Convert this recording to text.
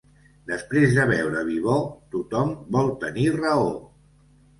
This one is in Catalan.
Després de beure vi bo, tothom vol tenir raó.